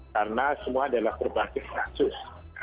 karena semua adalah berbasis kasus